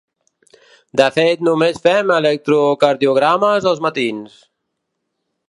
De fet només fem electrocardiogrames els matins.